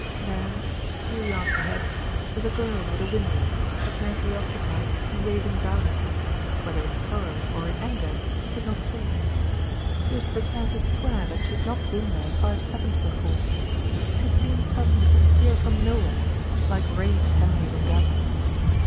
There, a few yards ahead, was a girl at a window, apparently occupied in gazing down at him, whether in sorrow or in anger he could not say. He was pre pared to swear that she had not been there five sec onds before. She seemed suddenly to appear from nowhere, like rain at Henley Regatta.